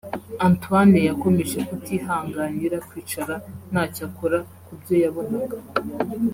Antoine yakomeje kutihanganira kwicara ntacyo akora kubyo yabonaga